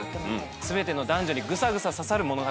全ての男女にグサグサ刺さる物語。